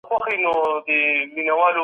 د دغي کیسې هر توری د مننې یو درس دی.